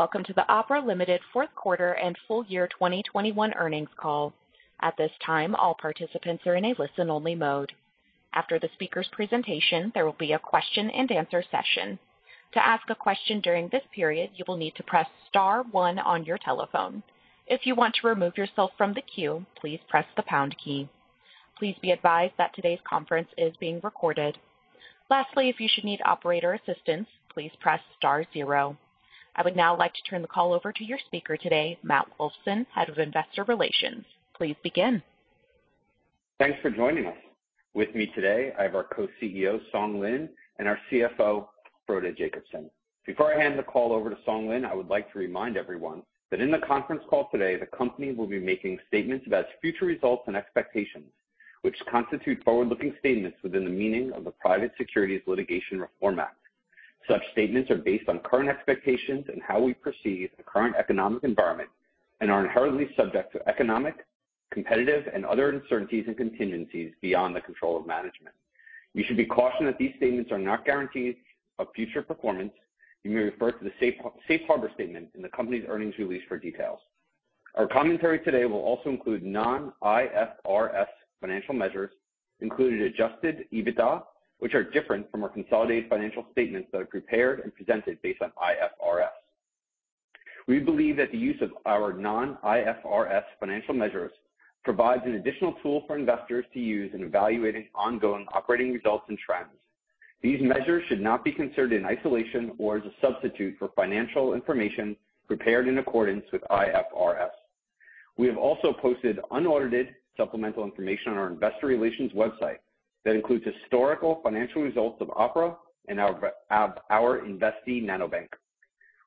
Welcome to the Opera Limited fourth quarter and full year 2021 earnings call. At this time, all participants are in a listen-only mode. After the speaker's presentation, there will be a question-and-answer session. To ask a question during this period, you will need to press star one on your telephone. If you want to remove yourself from the queue, please press the pound key. Please be advised that today's conference is being recorded. Lastly, if you should need operator assistance, please press star zero. I would now like to turn the call over to your speaker today, Matt Wolfson, Head of Investor Relations. Please begin. Thanks for joining us. With me today, I have our Co-CEO, Song Lin, and our CFO, Frode Jacobsen. Before I hand the call over to Song Lin, I would like to remind everyone that in the conference call today, the company will be making statements about future results and expectations, which constitute forward-looking statements within the meaning of the Private Securities Litigation Reform Act. Such statements are based on current expectations and how we perceive the current economic environment and are inherently subject to economic, competitive, and other uncertainties and contingencies beyond the control of management. You should be cautioned that these statements are not guarantees of future performance. You may refer to the safe harbor statement in the company's earnings release for details. Our commentary today will also include non-IFRS financial measures, including adjusted EBITDA, which are different from our consolidated financial statements that are prepared and presented based on IFRS. We believe that the use of our non-IFRS financial measures provides an additional tool for investors to use in evaluating ongoing operating results and trends. These measures should not be considered in isolation or as a substitute for financial information prepared in accordance with IFRS. We have also posted unaudited supplemental information on our investor relations website that includes historical financial results of Opera and our investee, Nanobank.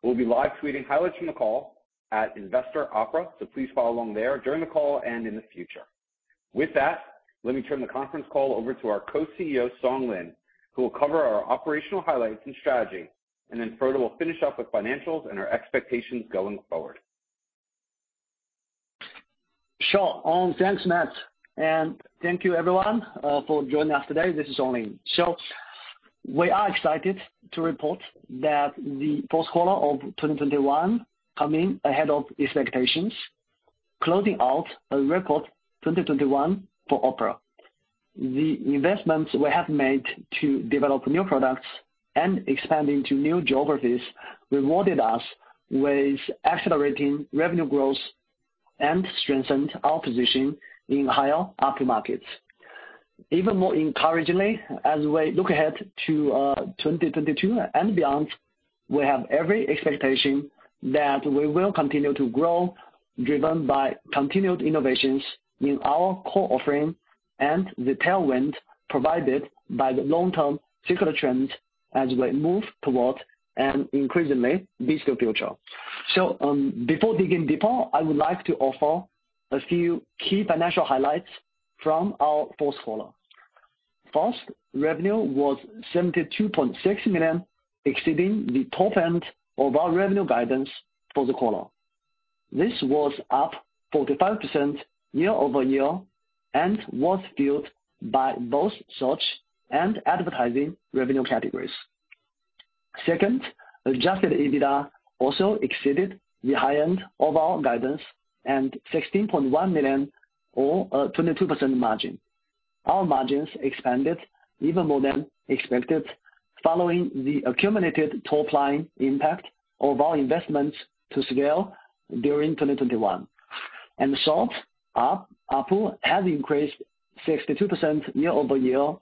We'll be live tweeting highlights from the call at Investor Opera, so please follow along there during the call and in the future. With that, let me turn the conference call over to our Co-CEO, Song Lin, who will cover our operational highlights and strategy, and then Frode will finish up with financials and our expectations going forward. Sure thanks Matt and thank you everyone for joining us today. This is Song Lin. We are excited to report that the fourth quarter of 2021 come in ahead of expectations, closing out a record 2021 for Opera. The investments we have made to develop new products and expanding to new geographies rewarded us with accelerating revenue growth and strengthened our position in higher ARPU markets. Even more encouragingly, as we look ahead to 2022 and beyond, we have every expectation that we will continue to grow, driven by continued innovations in our core offering and the tailwind provided by the long-term secular trends as we move towards an increasingly digital future. Before digging deeper, I would like to offer a few key financial highlights from our fourth quarter. First, revenue was $72.6 million, exceeding the top end of our revenue guidance for the quarter. This was up 45% year-over-year and was fueled by both search and advertising revenue categories. Second, adjusted EBITDA also exceeded the high end of our guidance and $16.1 million or 22% margin. Our margins expanded even more than expected following the accumulated top-line impact of our investments to scale during 2021. In short, ARPU has increased 62% year-over-year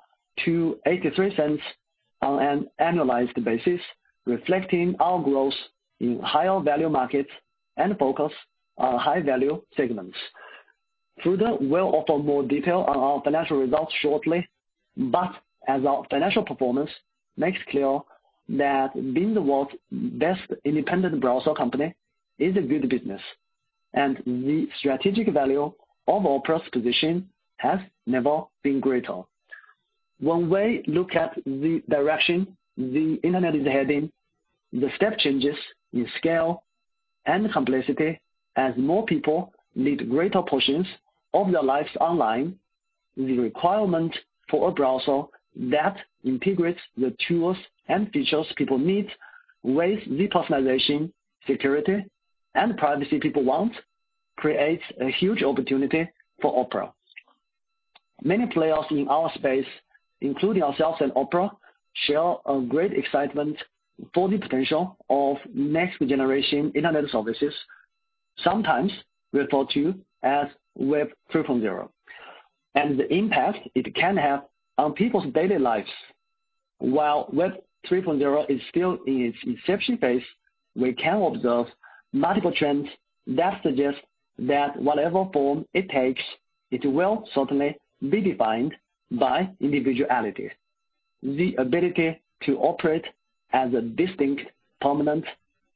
to $0.83 on an annualized basis, reflecting our growth in higher value markets and focus on high-value segments. Frode will offer more detail on our financial results shortly, but as our financial performance makes clear that being the world's best independent browser company is a good business. The strategic value of Opera's position has never been greater. When we look at the direction the internet is heading, the step changes in scale and complexity as more people lead greater portions of their lives online, the requirement for a browser that integrates the tools and features people need with the personalization, security, and privacy people want creates a huge opportunity for Opera. Many players in our space, including ourselves and Opera, share a great excitement for the potential of next generation internet services, sometimes referred to as Web 3.0, and the impact it can have on people's daily lives. While Web 3.0 is still in its inception phase, we can observe multiple trends that suggest that whatever form it takes, it will certainly be defined by individuality. The ability to operate as a distinct, permanent,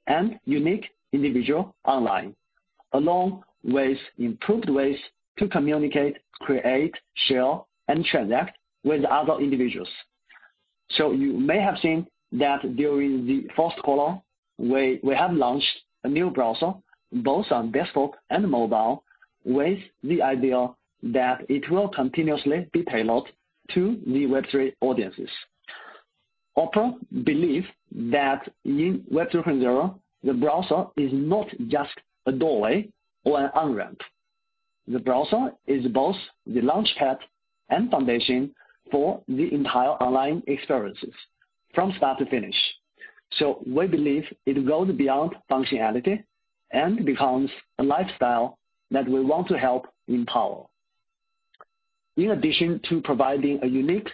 and unique individual online, along with improved ways to communicate, create, share, and transact with other individuals. You may have seen that during the first quarter, we have launched a new browser, both on desktop and mobile, with the idea that it will continuously be tailored to new Web3 audiences. Opera believe that in Web 3.0, the browser is not just a doorway or an on-ramp. The browser is both the launchpad and foundation for the entire online experiences from start to finish. We believe it goes beyond functionality and becomes a lifestyle that we want to help empower. In addition to providing a unique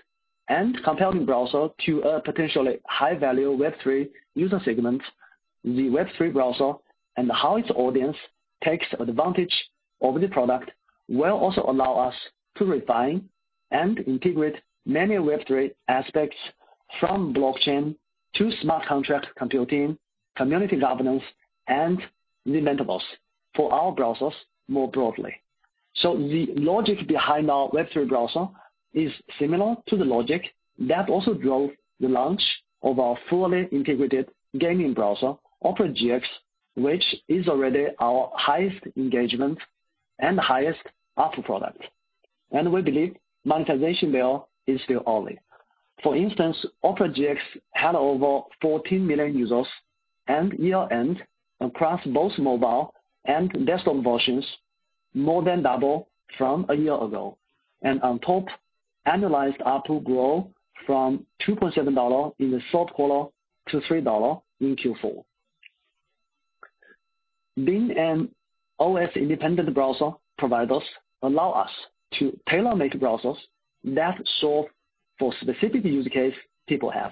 and compelling browser to a potentially high-value Web3 user segment, the Web3 browser and how its audience takes advantage of the product will also allow us to refine and integrate many Web3 aspects, from blockchain to smart contract computing, community governance, and the metaverse for our browsers more broadly. The logic behind our Web3 browser is similar to the logic that also drove the launch of our fully integrated gaming browser, Opera GX, which is already our highest engagement and highest ARPU product, and we believe monetization there is still early. For instance, Opera GX had over 14 million users at year-end across both mobile and desktop versions, more than double from a year ago. On top, annualized ARPU grew from $2.7 in the third quarter to $3 in Q4. Being an OS independent browser provider allows us to tailor-make browsers that solve for specific use case people have.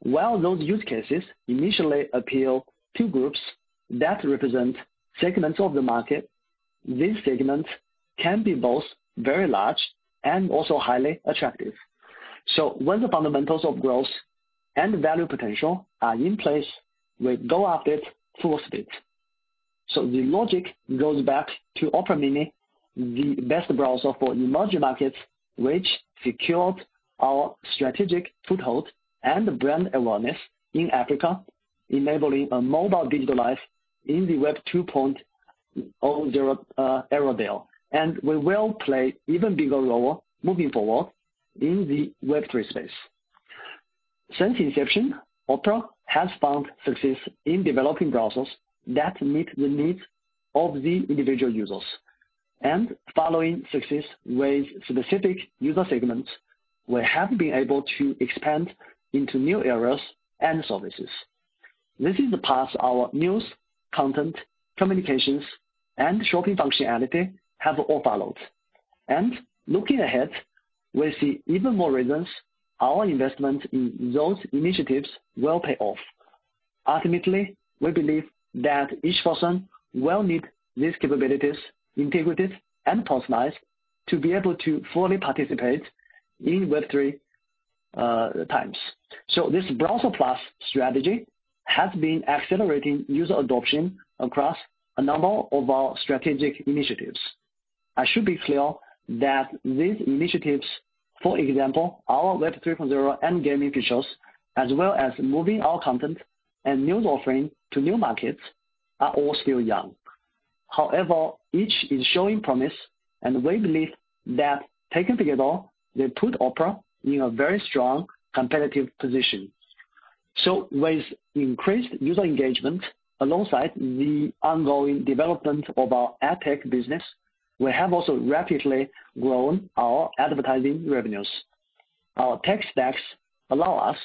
While those use cases initially appeal to groups that represent segments of the market, these segments can be both very large and also highly attractive. When the fundamentals of growth and value potential are in place, we go after it full speed. The logic goes back to Opera Mini, the best browser for emerging markets, which secured our strategic foothold and brand awareness in Africa, enabling a mobile digital life in the Web 2.0 era there. We will play even bigger role moving forward in the Web3 space. Since inception, Opera has found success in developing browsers that meet the needs of the individual users. Following success with specific user segments, we have been able to expand into new areas and services. This is the path our news, content, communications, and shopping functionality have all followed. Looking ahead, we see even more reasons our investment in those initiatives will pay off. Ultimately, we believe that each person will need these capabilities integrated and personalized to be able to fully participate in Web3 times. This browser plus strategy has been accelerating user adoption across a number of our strategic initiatives. I should be clear that these initiatives, for example, our Web 3.0 and gaming features, as well as moving our content and news offering to new markets, are all still young. However, each is showing promise, and we believe that taken together, they put Opera in a very strong competitive position. With increased user engagement alongside the ongoing development of our ad tech business, we have also rapidly grown our advertising revenues. Our tech stacks allow us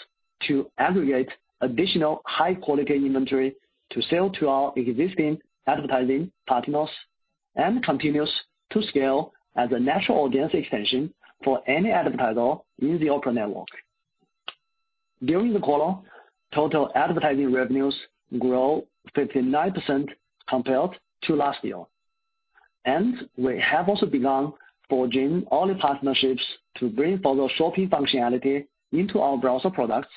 to aggregate additional high-quality inventory to sell to our existing advertising partners and continue to scale as a natural audience extension for any advertiser in the Opera network. During the quarter, total advertising revenues grew 59% compared to last year. We have also begun forging early partnerships to bring further shopping functionality into our browser products,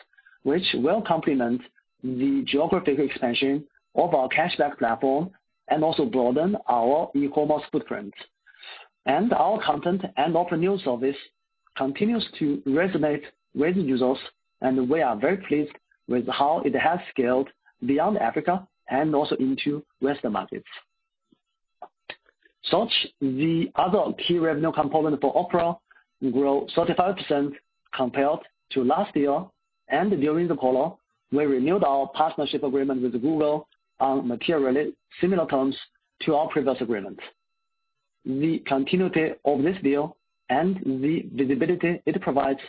which will complement the geographic expansion of our cashback platform and also broaden our e-commerce footprint. Our content and Opera News service continues to resonate with users, and we are very pleased with how it has scaled beyond Africa and also into Western markets. Search, the other key revenue component for Opera, grow 35% compared to last year. During the quarter, we renewed our partnership agreement with Google on materially similar terms to our previous agreement. The continuity of this deal and the visibility it provides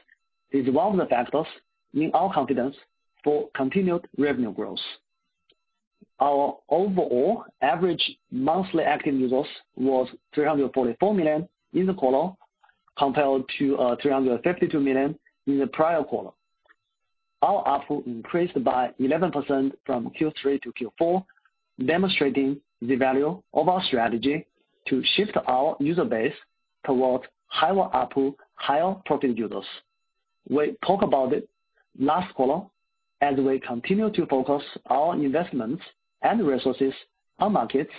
is one of the factors in our confidence for continued revenue growth. Our overall average monthly active users was 344 million in the quarter, compared to 352 million in the prior quarter. Our ARPU increased by 11% from Q3 to Q4, demonstrating the value of our strategy to shift our user base towards higher ARPU, higher profit users. We talk about it last quarter as we continue to focus our investments and resources on markets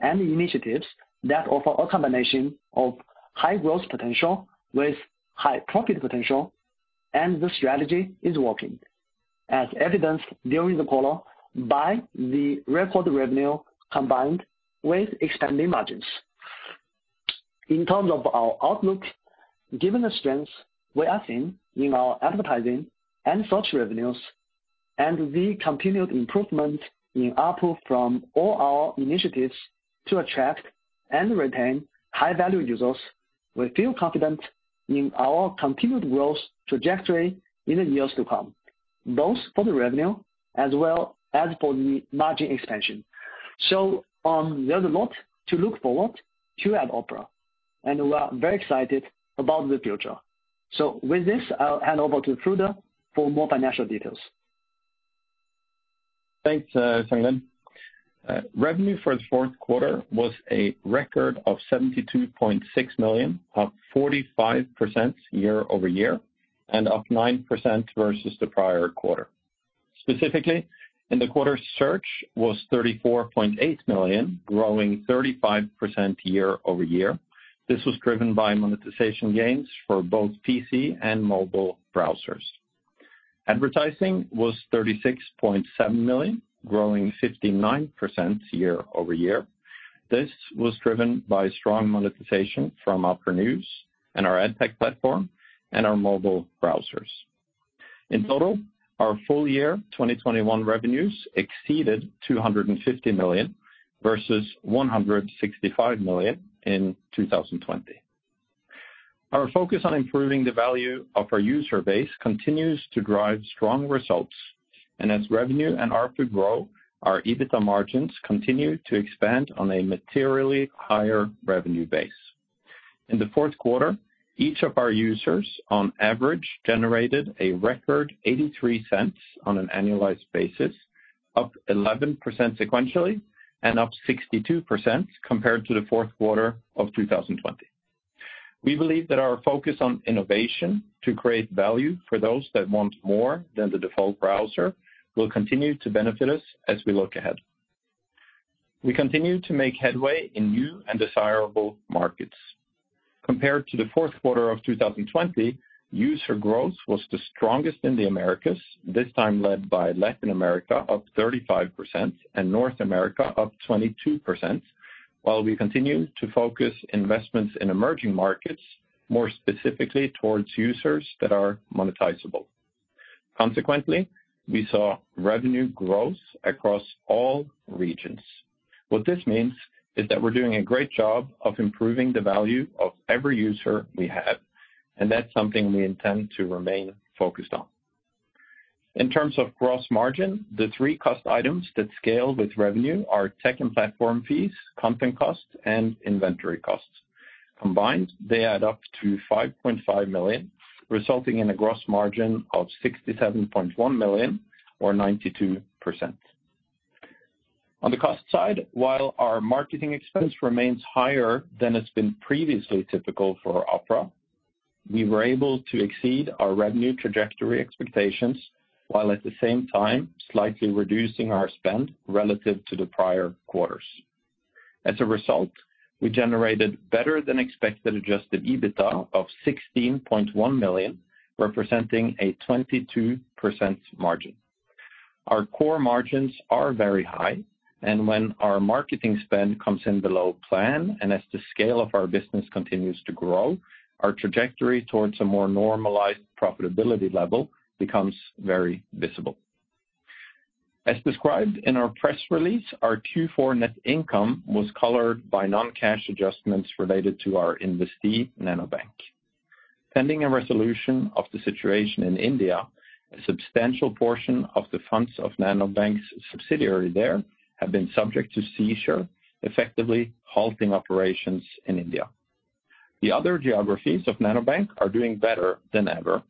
and initiatives that offer a combination of high growth potential with high profit potential. The strategy is working, as evidenced during the call by the record revenue combined with expanding margins. In terms of our outlook, given the strength we are seeing in our advertising and search revenues and the continued improvement in ARPU from all our initiatives to attract and retain high-value users, we feel confident in our continued growth trajectory in the years to come, both for the revenue as well as for the margin expansion. There's a lot to look forward to at Opera, and we are very excited about the future. With this, I'll hand over to Frode for more financial details. Thanks, Song Lin. Revenue for the fourth quarter was a record of $72.6 million, up 45% year-over-year, and up 9% versus the prior quarter. Specifically, in the quarter, search was $34.8 million, growing 35% year-over-year. This was driven by monetization gains for both PC and mobile browsers. Advertising was $36.7 million, growing 59% year-over-year. This was driven by strong monetization from Opera News and our AdTech platform and our mobile browsers. In total, our full year 2021 revenues exceeded $250 million, versus $165 million in 2020. Our focus on improving the value of our user base continues to drive strong results. As revenue and ARPU grow, our EBITDA margins continue to expand on a materially higher revenue base. In the fourth quarter, each of our users on average generated a record $0.83 on an annualized basis, up 11% sequentially and up 62% compared to the fourth quarter of 2020. We believe that our focus on innovation to create value for those that want more than the default browser will continue to benefit us as we look ahead. We continue to make headway in new and desirable markets. Compared to the fourth quarter of 2020, user growth was the strongest in the Americas, this time led by Latin America, up 35%, and North America up 22%, while we continue to focus investments in emerging markets, more specifically towards users that are monetizable. Consequently, we saw revenue growth across all regions. What this means is that we're doing a great job of improving the value of every user we have, and that's something we intend to remain focused on. In terms of gross margin, the three cost items that scale with revenue are tech and platform fees, content costs, and inventory costs. Combined, they add up to $5.5 million, resulting in a gross margin of $67.1 million or 92%. On the cost side, while our marketing expense remains higher than it's been previously typical for Opera, we were able to exceed our revenue trajectory expectations, while at the same time slightly reducing our spend relative to the prior quarters. As a result, we generated better than expected adjusted EBITDA of $16.1 million, representing a 22% margin. Our core margins are very high, and when our marketing spend comes in below plan, and as the scale of our business continues to grow, our trajectory towards a more normalized profitability level becomes very visible. As described in our press release, our Q4 net income was colored by non-cash adjustments related to our investee, Nanobank. Pending a resolution of the situation in India, a substantial portion of the funds of Nanobank's subsidiary there have been subject to seizure, effectively halting operations in India. The other geographies of Nanobank are doing better than ever,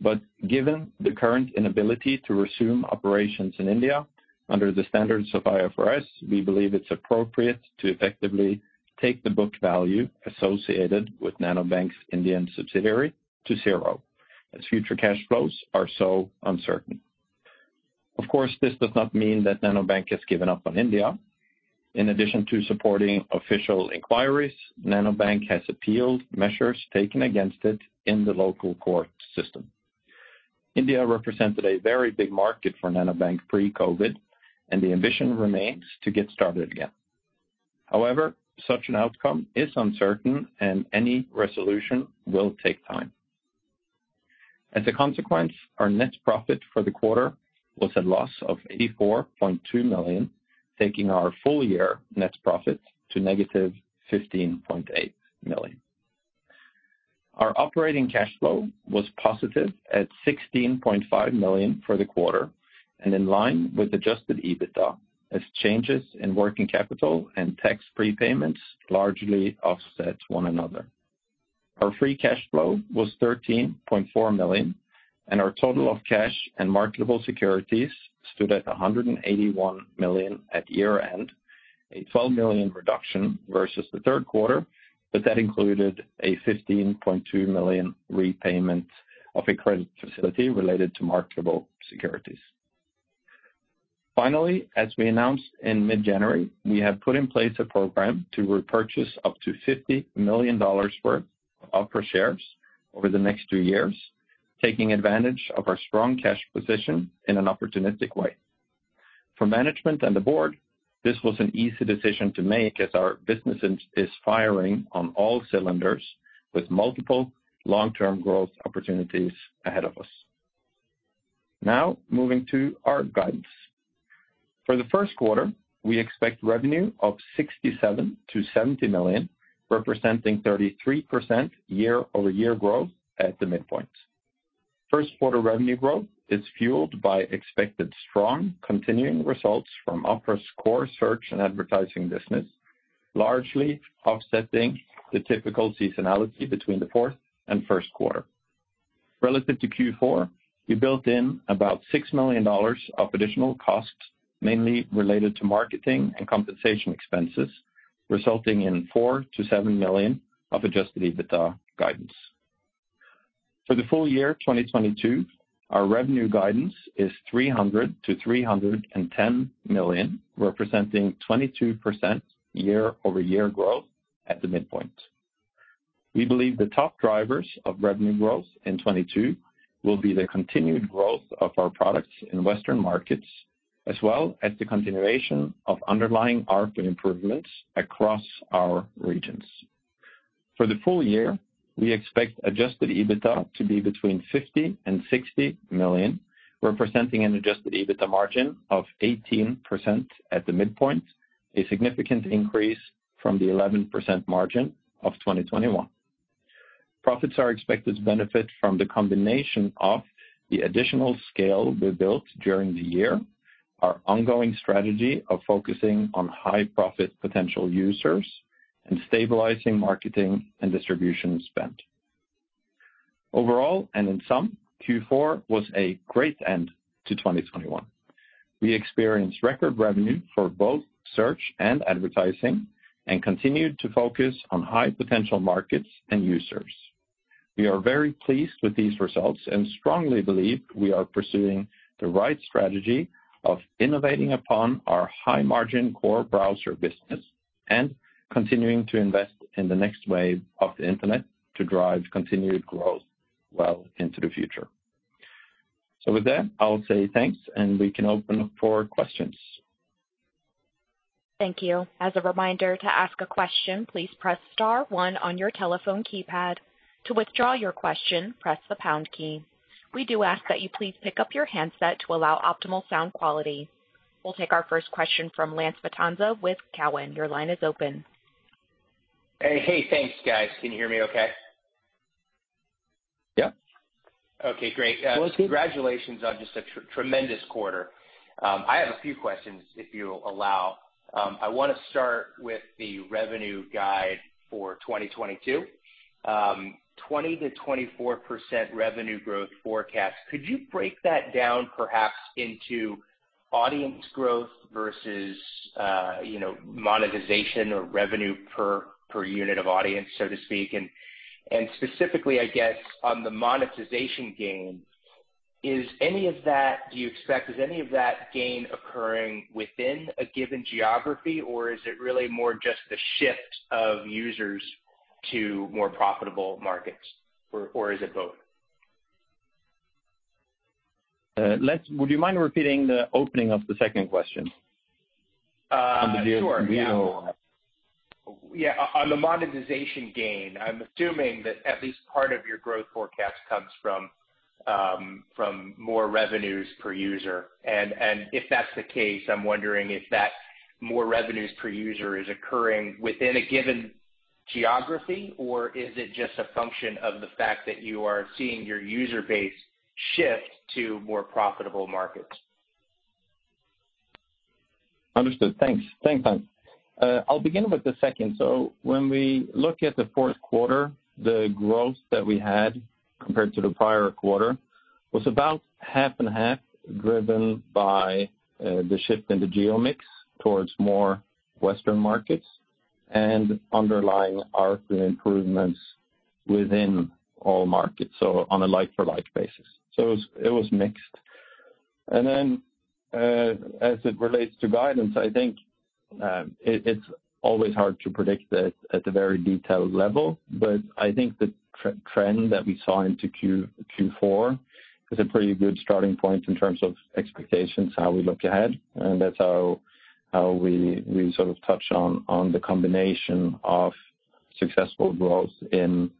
but given the current inability to resume operations in India, under the standards of IFRS, we believe it's appropriate to effectively take the book value associated with Nanobank's Indian subsidiary to zero, as future cash flows are so uncertain. Of course, this does not mean that Nanobank has given up on India. In addition to supporting official inquiries, Nanobank has appealed measures taken against it in the local court system. India represented a very big market for Nanobank pre-COVID, and the ambition remains to get started again. However, such an outcome is uncertain, and any resolution will take time. As a consequence, our net profit for the quarter was a loss of $84.2 million, taking our full year net profit to negative $15.8 million. Our operating cash flow was positive at $16.5 million for the quarter and in line with adjusted EBITDA, as changes in working capital and tax prepayments largely offset one another. Our free cash flow was $13.4 million, and our total cash and marketable securities stood at $181 million at year-end, a $12 million reduction versus the third quarter, but that included a $15.2 million repayment of a credit facility related to marketable securities. Finally, as we announced in mid-January, we have put in place a program to repurchase up to $50 million worth of Opera shares over the next two years, taking advantage of our strong cash position in an opportunistic way. For management and the board, this was an easy decision to make as our business is firing on all cylinders with multiple long-term growth opportunities ahead of us. Now, moving to our guidance. For the first quarter, we expect revenue of $67 million-$70 million, representing 33% year-over-year growth at the midpoint. First quarter revenue growth is fueled by expected strong continuing results from Opera's core search and advertising business, largely offsetting the typical seasonality between the fourth and first quarter. Relative to Q4, we built in about $6 million of additional costs, mainly related to marketing and compensation expenses, resulting in $4 million-$7 million of adjusted EBITDA guidance. For the full year 2022, our revenue guidance is $300 million-$310 million, representing 22% year-over-year growth at the midpoint. We believe the top drivers of revenue growth in 2022 will be the continued growth of our products in Western markets, as well as the continuation of underlying ARPU improvements across our regions. For the full year, we expect adjusted EBITDA to be between $50 million and $60 million, representing an adjusted EBITDA margin of 18% at the midpoint, a significant increase from the 11% margin of 2021. Profits are expected to benefit from the combination of the additional scale we built during the year, our ongoing strategy of focusing on high profit potential users, and stabilizing marketing and distribution spend. Overall, and in sum, Q4 was a great end to 2021. We experienced record revenue for both search and advertising and continued to focus on high potential markets and users. We are very pleased with these results and strongly believe we are pursuing the right strategy of innovating upon our high-margin core browser business and continuing to invest in the next wave of the internet to drive continued growth well into the future. With that, I'll say thanks, and we can open up for questions. Thank you. As a reminder to ask a question, please press star one on your telephone keypad. To withdraw your question, press the pound key. We do ask that you please pick up your handset to allow optimal sound quality. We'll take our first question from Lance Vitanza with Cowen. Your line is open. Hey Hey thanks guys. Can you hear me okay? Yeah. Okay great. Go a head, please. Congratulations on just a tremendous quarter. I have a few questions, if you allow. I wanna start with the revenue guide for 2022. 20%-24% revenue growth forecast. Could you break that down perhaps into audience growth versus, you know, monetization or revenue per unit of audience, so to speak? Specifically, I guess, on the monetization gain, is any of that gain occurring within a given geography, or is it really more just the shift of users to more profitable markets, or is it both? Lance would you mind repeating the opening of the second question? Sure yeah. On the geo- Yeah, on the monetization gain, I'm assuming that at least part of your growth forecast comes from more revenues per user. If that's the case, I'm wondering if that more revenues per user is occurring within a given geography, or is it just a function of the fact that you are seeing your user base shift to more profitable markets? Understood thanks. Thanks Lance. I'll begin with the second. When we look at the fourth quarter, the growth that we had compared to the prior quarter was about half and half driven by the shift in the geo mix towards more Western markets and underlying ARPU improvements within all markets, so on a like-for-like basis. It was mixed. As it relates to guidance, I think it's always hard to predict at the very detailed level, but I think the trend that we saw into Q4 is a pretty good starting point in terms of expectations, how we look ahead. That's how we sort of touch on the combination of successful growth in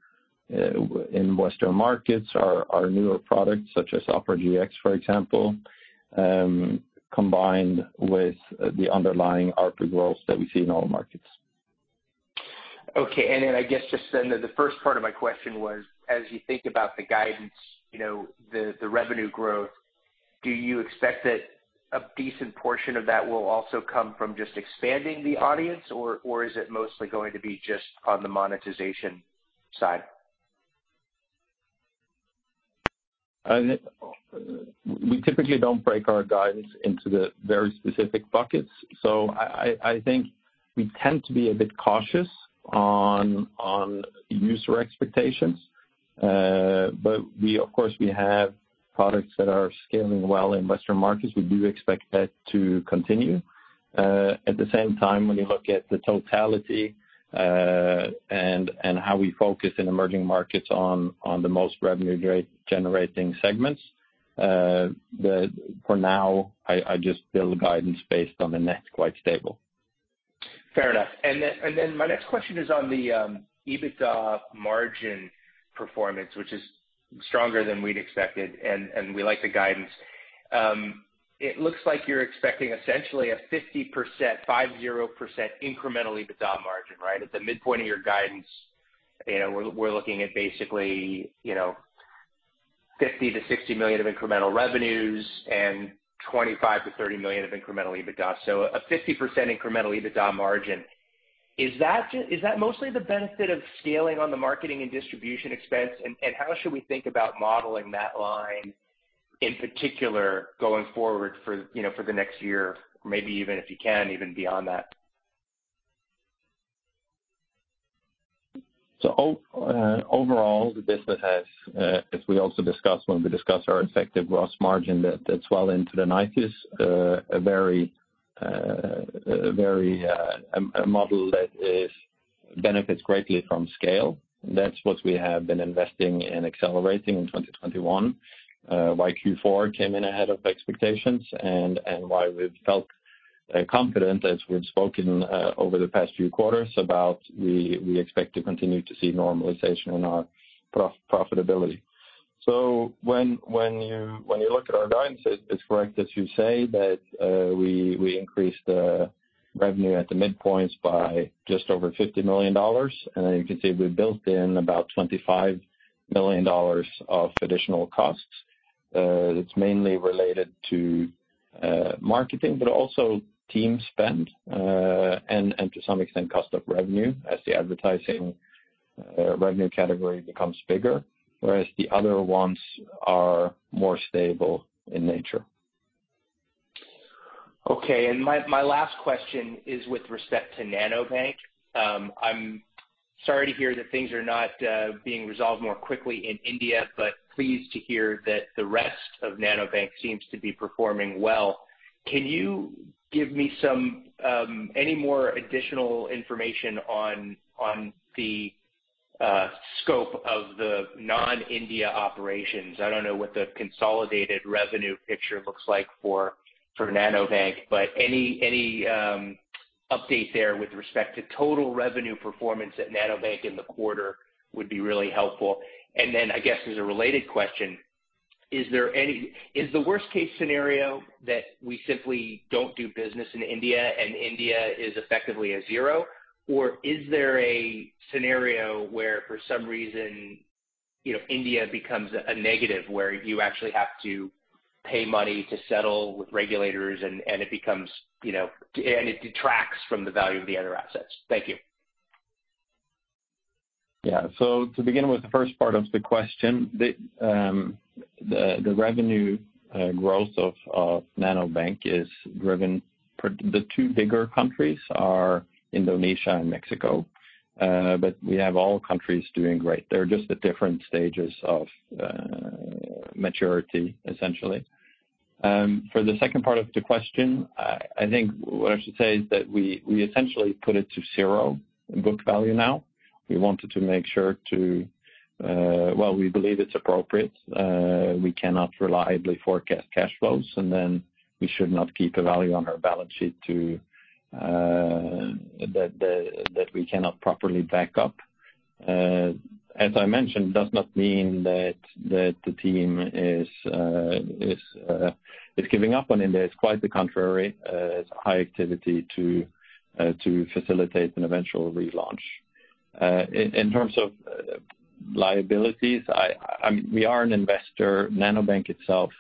Western markets. Our newer products, such as Opera GX, for example, combined with the underlying ARPU growth that we see in all markets. Okay. I guess just then the first part of my question was, as you think about the guidance, you know, the revenue growth, do you expect that a decent portion of that will also come from just expanding the audience, or is it mostly going to be just on the monetization side? We typically don't break our guidance into the very specific buckets. I think we tend to be a bit cautious on user expectations. We, of course, have products that are scaling well in Western markets. We do expect that to continue. At the same time, when you look at the totality, and how we focus in emerging markets on the most revenue generating segments, for now, I just build guidance based on the net quite stable. Fair enough. My next question is on the EBITDA margin performance, which is stronger than we'd expected, and we like the guidance. It looks like you're expecting essentially a 50%, 50% incremental EBITDA margin, right? At the midpoint of your guidance, you know, we're looking at basically, you know, $50 million-$60 million of incremental revenues and $25 million-$30 million of incremental EBITDA. So a 50% incremental EBITDA margin. Is that mostly the benefit of scaling on the marketing and distribution expense? How should we think about modeling that line in particular going forward for, you know, for the next year? Maybe even if you can, even beyond that. Overall the business has as we also discussed when we discussed our effective gross margin that swells into the 90s, a model that benefits greatly from scale. That's what we have been investing in accelerating in 2021, why Q4 came in ahead of expectations and why we've felt confident as we've spoken over the past few quarters about, we expect to continue to see normalization in our profitability. When you look at our guidance, it's correct that you say that we increased the revenue at the midpoints by just over $50 million. Then you can see we built in about $25 million of additional costs. It's mainly related to marketing, but also team spend, and to some extent, cost of revenue as the advertising revenue category becomes bigger, whereas the other ones are more stable in nature. Okay. My last question is with respect to Nanobank. I'm sorry to hear that things are not being resolved more quickly in India, but pleased to hear that the rest of Nanobank seems to be performing well. Can you give me some any more additional information on the scope of the non-India operations? I don't know what the consolidated revenue picture looks like for Nanobank, but any update there with respect to total revenue performance at Nanobank in the quarter would be really helpful. I guess as a related question, is the worst case scenario that we simply don't do business in India and India is effectively a zero? Is there a scenario where for some reason, you know, India becomes a negative, where you actually have to pay money to settle with regulators and it becomes, you know, and it detracts from the value of the other assets? Thank you. Yeah. To begin with the first part of the question, the revenue growth of Nanobank is driven. The two bigger countries are Indonesia and Mexico. We have all countries doing great. They are just at different stages of maturity, essentially. For the second part of the question, I think what I should say is that we essentially put it to zero in book value now. We wanted to make sure, while we believe it is appropriate, we cannot reliably forecast cash flows, and then we should not keep a value on our balance sheet that we cannot properly back up. It, as I mentioned, does not mean that the team is giving up on India. It is quite the contrary. It's high activity to facilitate an eventual relaunch. In terms of liabilities, we are an investor. Nanobank itself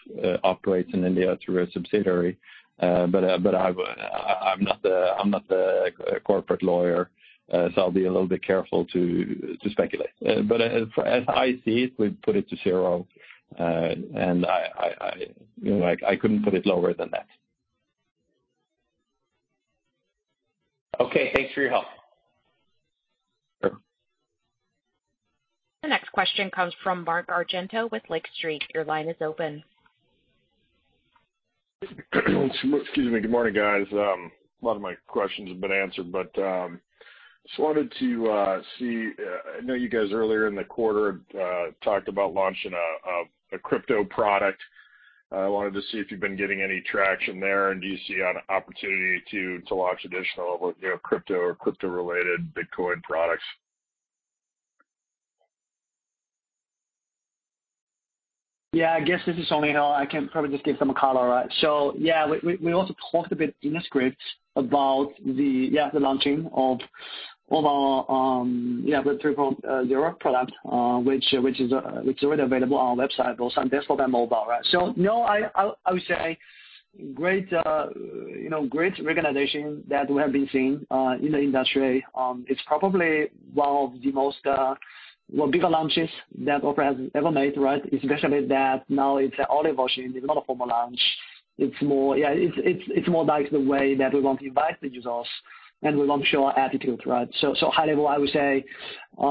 operates in India through a subsidiary. I'm not the corporate lawyer, so I'll be a little bit careful to speculate. As I see it, we put it to zero. You know, I couldn't put it lower than that. Okay. Thanks for your help. Sure. The next question comes from Mark Argento with Lake Street. Your line is open. Excuse me. Good morning, guys. A lot of my questions have been answered, but just wanted to see, I know you guys earlier in the quarter talked about launching a crypto product. I wanted to see if you've been getting any traction there. Do you see an opportunity to launch additional, you know, crypto or crypto-related Bitcoin products? Yeah I guess, this is Song Lin. I can probably just give some color, right? Yeah, we also talked a bit in the script about the launching of our 3.0 product, which is already available on our website, both on desktop and mobile, right? No, I would say great, you know, great recognition that we have been seeing in the industry. It's probably one of the most well biggest launches that Opera has ever made, right? Especially that now it's a blue ocean. There's a lot of formal launch. It's more. Yeah, it's more like the way that we want to invite the users and we want to show our attitude, right? High level, I would say,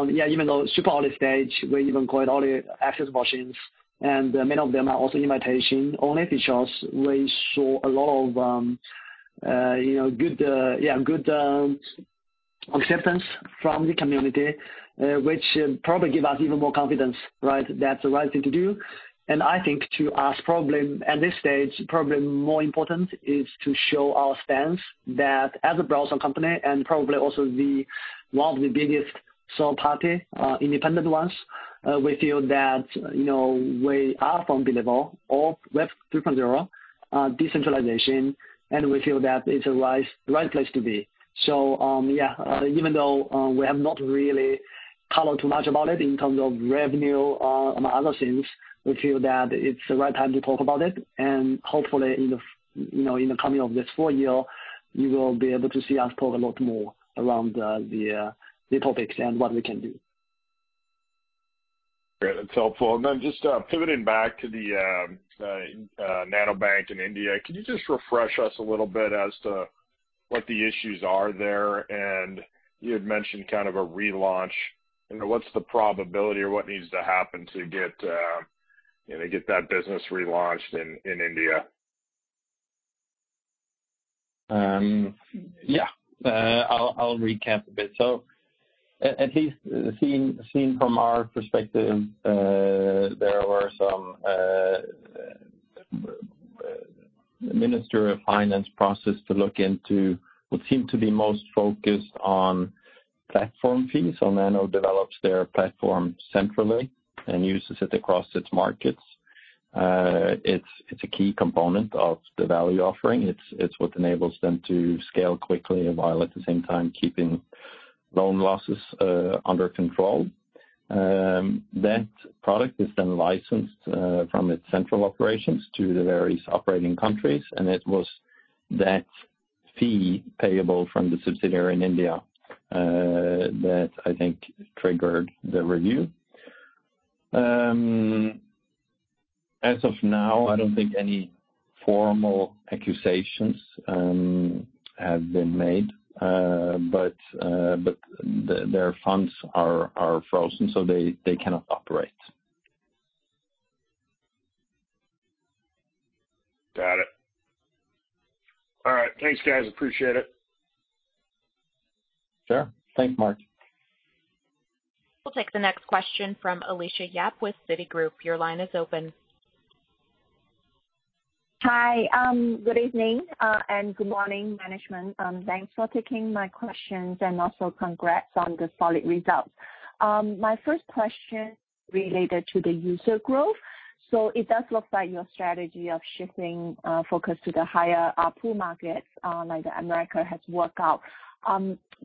yeah, even though super early stage, we even call it early access versions, and many of them are also invitation-only features. We saw a lot of you know, good acceptance from the community, which probably give us even more confidence, right, that's the right thing to do. I think to us probably, at this stage, probably more important is to show our stance that as a browser company and probably also the one of the biggest third-party, independent ones, we feel that, you know, we are from the level of Web 3.0, decentralization, and we feel that it's a right place to be. Even though we have not really talked too much about it in terms of revenue, among other things, we feel that it's the right time to talk about it. Hopefully in the future, you know, in the coming full year, you will be able to see us talk a lot more around the topics and what we can do. Great. That's helpful. Just pivoting back to the Nanobank in India. Can you just refresh us a little bit as to what the issues are there? You had mentioned kind of a relaunch. You know, what's the probability or what needs to happen to get you know, get that business relaunched in India? Yeah. I'll recap a bit. At least as seen from our perspective, there were some Ministry of Finance processes to look into what seemed to be most focused on platform fees. Nanobank develops their platform centrally and uses it across its markets. It's a key component of the value offering. It's what enables them to scale quickly while at the same time keeping loan losses under control. That product is then licensed from its central operations to the various operating countries, and it was that fee payable from the subsidiary in India that I think triggered the review. As of now, I don't think any formal accusations have been made. Their funds are frozen, so they cannot operate. Got it. All right. Thanks, guys. Appreciate it. Sure. Thanks, Mark. We'll take the next question from Alicia Yap with Citigroup. Your line is open. Hi. Good evening and good morning, management. Thanks for taking my questions, and also congrats on the solid results. My first question related to the user growth. It does look like your strategy of shifting focus to the higher ARPU markets, like the Americas has worked out.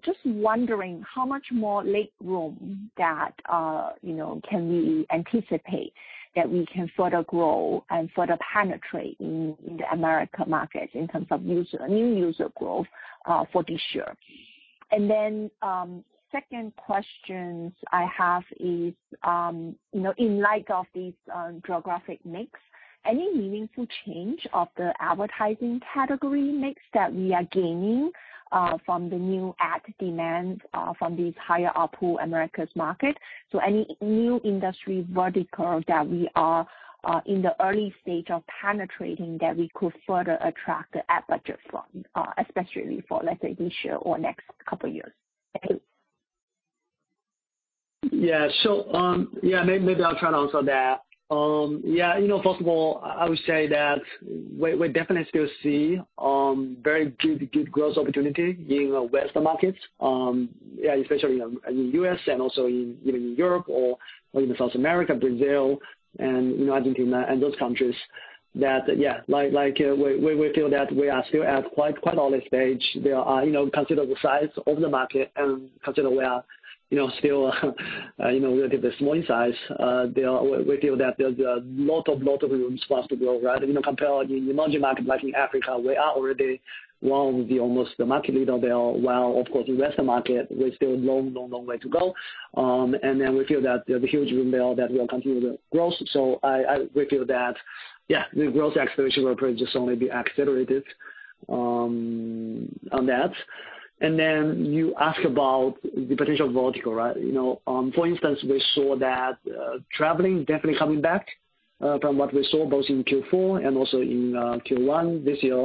Just wondering how much more leg room that, you know, can we anticipate that we can further grow and further penetrate in the Americas market in terms of new user growth for this year? Then, second questions I have is, you know, in light of this geographic mix, any meaningful change of the advertising category mix that we are gaining from the new ad demands from these higher ARPU Americas market? Any new industry vertical that we are in the early stage of penetrating that we could further attract the ad budget from, especially for, let's say, this year or next couple years? Thanks. Yeah. Yeah maybe I'll try to answer that. Yeah, you know, first of all, I would say that we definitely still see very good growth opportunity in Western markets, yeah, especially in the U.S. and also even in Europe or even South America, Brazil and, you know, Argentina and those countries. Yeah, like, we feel that we are still at quite early stage. You know, considering the size of the market and considering we are, you know, still relatively small in size. We feel that there's a lot of room for us to grow, right? You know, compared in emerging market like in Africa, we are already almost the market leader there, while of course in Western market we're still long way to go. We feel that there's a huge room there that will continue the growth. We feel that, yeah, the growth exploration will probably just only be accelerated on that. You ask about the potential vertical, right? You know, for instance, we saw that traveling definitely coming back from what we saw both in Q4 and also in Q1 this year.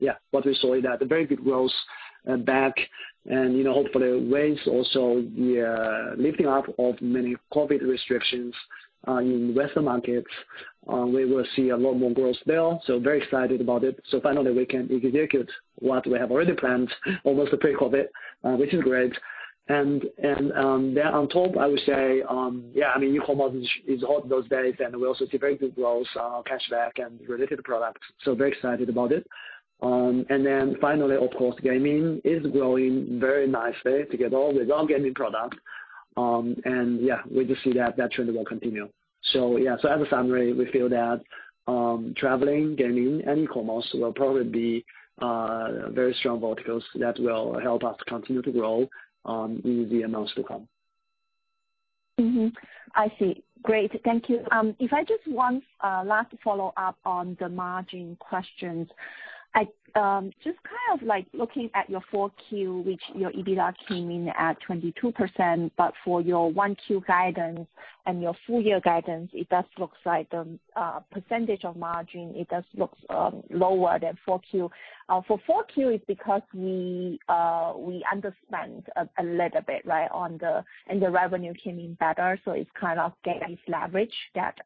Yeah. What we saw is that the very good growth back and, you know, hopefully with also the lifting up of many COVID restrictions in Western markets, we will see a lot more growth there. Very excited about it. Finally, we can execute what we have already planned almost pre-COVID, which is great. Then on top, I would say, yeah, I mean, e-commerce is hot those days, and we also see very good growth on cashback and related products, so very excited about it. And then finally, of course, gaming is growing very nicely together with our gaming product. And yeah, we just see that trend will continue. Yeah. As a summary, we feel that traveling, gaming and e-commerce will probably be very strong verticals that will help us continue to grow in the months to come. I see. Great. Thank you. If I just have one last follow-up on the margin questions. I just kind of like looking at your Q4, which your EBITDA came in at 22%, but for your Q1 guidance and your full year guidance, it does look like the percentage of margin lower than Q4. For Q4 is because we underspent a little bit, right? The revenue came in better, so it's kind of getting this leverage that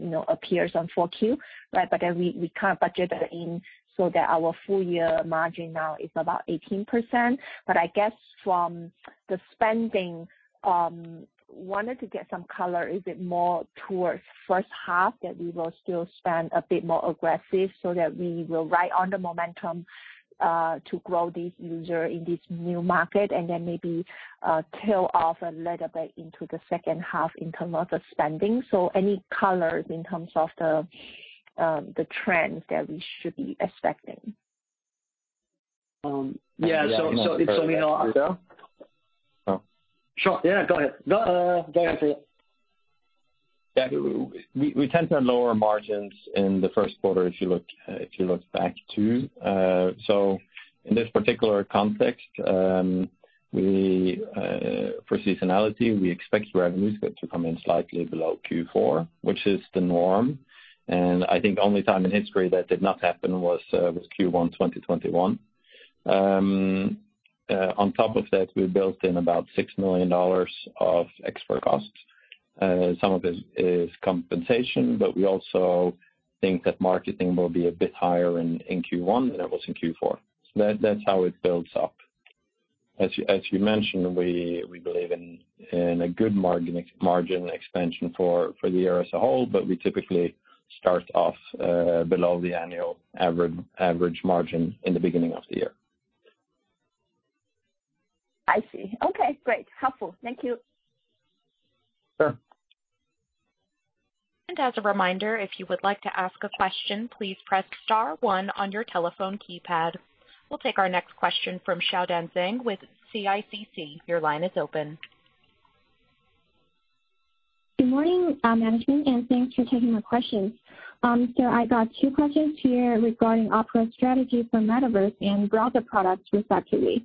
you know appears on Q4, right? Then we kind of budget it in so that our full year margin now is about 18%. I guess from the spending, wanted to get some color, is it more towards first half that we will still spend a bit more aggressive so that we will ride on the momentum, to grow this user in this new market, and then maybe, tail off a little bit into the second half in terms of spending. Any colors in terms of the trends that we should be expecting? Yeah. It's for me now, Arthur? Oh. Sure yeah, go ahead. Go ahead, Frode. Yeah. We tend to have lower margins in the first quarter if you look back, too. In this particular context, for seasonality, we expect revenues to come in slightly below Q4, which is the norm. I think the only time in history that did not happen was Q1 2021. On top of that, we built in about $6 million of OpEx costs. Some of this is compensation, but we also think that marketing will be a bit higher in Q1 than it was in Q4. That's how it builds up. As you mentioned, we believe in a good margin expansion for the year as a whole, but we typically start off below the annual average margin in the beginning of the year. I see okay, great. Helpful. Thank you. Sure. As a reminder, if you would like to ask a question, please press star one on your telephone keypad. We'll take our next question from Xiaodan Zheng with CICC. Your line is open. Good morning, management, and thanks for taking the questions. I got two questions here regarding Opera's strategy for metaverse and broader products respectively.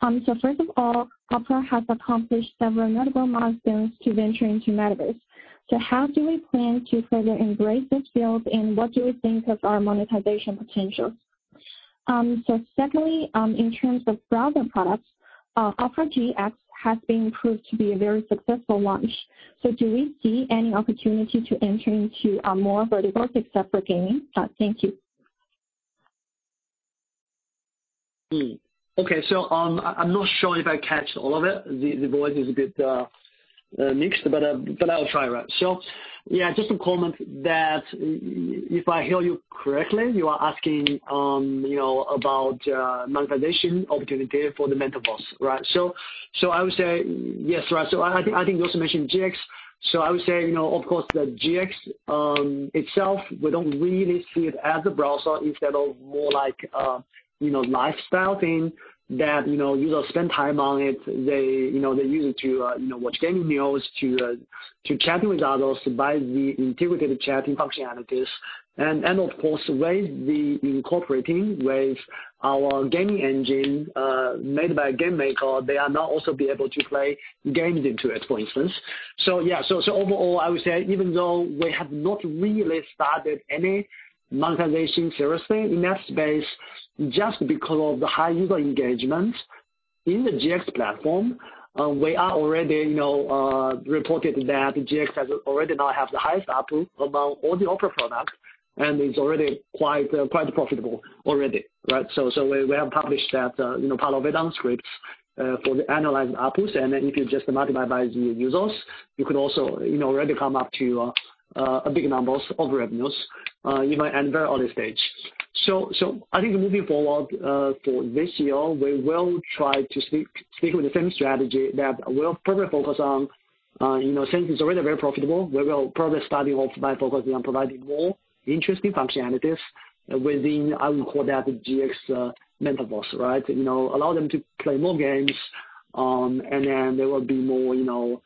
First of all, Opera has accomplished several notable milestones to venture into metaverse. How do we plan to further embrace this field, and what do we think of our monetization potential? Secondly, in terms of browser products, Opera GX has been proved to be a very successful launch. Do we see any opportunity to enter into more verticals except for gaming? Thank you. Okay. I'm not sure if I catch all of it. The voice is a bit mixed, but I'll try, right? Yeah, just to comment that if I hear you correctly, you are asking, you know, about monetization opportunity for the metaverse, right? I would say yes. Right. I think you also mentioned GX. I would say, you know, of course the GX itself, we don't really see it as a browser instead of more like, you know, lifestyle thing that, you know, users spend time on it. They, you know, they use it to, you know, watch gaming videos, to chat with others by the integrated chatting functionalities. Of course, with the incorporating with our gaming engine, made by GameMaker, they are now also able to play games into it, for instance. Overall, I would say even though we have not really started any monetization seriously in that space, just because of the high user engagement in the GX platform, we have already, you know, reported that GX already has the highest ARPU among all the Opera products and is already quite profitable already, right? We have published that, you know, part of it on spreadsheets for analyzing ARPUs, and then if you just multiply by the users, you could also, you know, already come up to big numbers of revenues, you know, at a very early stage. I think moving forward for this year, we will try to stick with the same strategy that we'll probably focus on, you know, since it's already very profitable, we will probably starting off by focusing on providing more interesting functionalities within what I would call the GX metaverse, right? You know, allow them to play more games, and then there will be more, you know,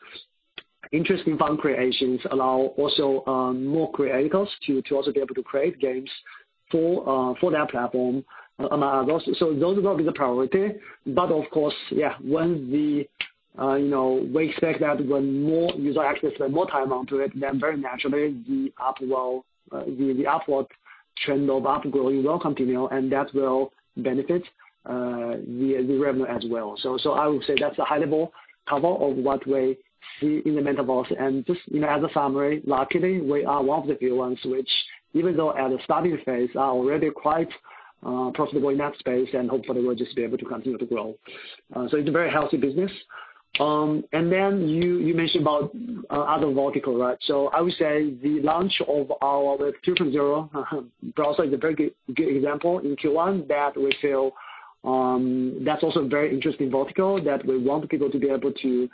interesting fan creations, allow also more creators to also be able to create games for that platform. Those will be the priority. Of course, yeah, you know, we expect that when more users access and spend more time on it, then very naturally the ARPU, the upward trend of ARPU will continue and that will benefit the revenue as well. I would say that's a high level cover of what we see in the metaverse. Just, you know, as a summary, luckily, we are one of the few ones which, even though at the starting phase, are already quite profitable in that space and hopefully will just be able to continue to grow. It's a very healthy business. Then you mentioned about other vertical, right? I would say the launch of our Web 3.0 browser is a very good example in Q1 that we feel that's also a very interesting vertical that we want people to be able to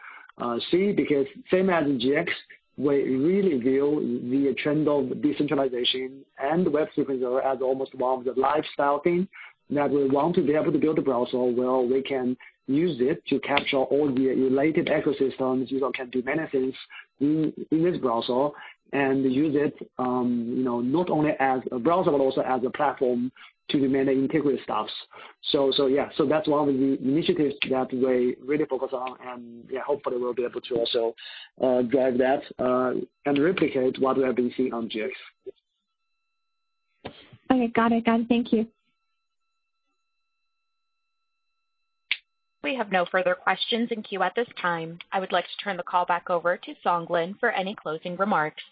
see. Because same as in GX, we really view the trend of decentralization and Web 3.0 as almost one of the lifestyle thing that we want to be able to build a browser where we can use it to capture all the related ecosystems. User can do many things in this browser and use it, you know, not only as a browser, but also as a platform to do many integrated stuffs. Yeah. That's one of the initiatives that we really focus on, and yeah, hopefully we'll be able to also drive that and replicate what we have been seeing on GX. Okay got it. Thank you. We have no further questions in queue at this time. I would like to turn the call back over to Song Lin for any closing remarks.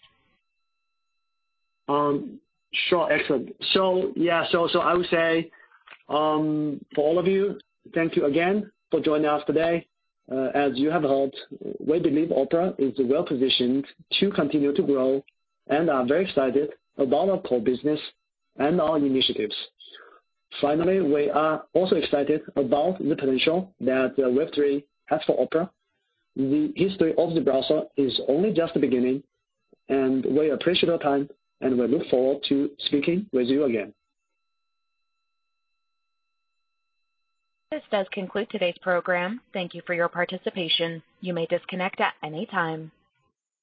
Sure excellent. I would say, for all of you, thank you again for joining us today. As you have heard, we believe Opera is well-positioned to continue to grow, and I'm very excited about our core business and our initiatives. Finally, we are also excited about the potential that Web3 has for Opera. The history of the browser is only just the beginning, and we appreciate your time, and we look forward to speaking with you again. This does conclude today's program. Thank you for your participation. You may disconnect at any time.